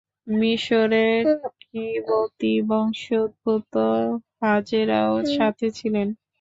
মিসরের কিবতী বংশোদ্ভূত হাজেরাও সাথে ছিলেন।